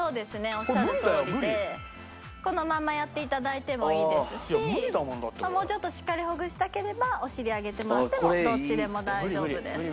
おっしゃるとおりでこのままやっていただいてもいいですしもうちょっとしっかりほぐしたければお尻上げてもらってもどっちでも大丈夫です。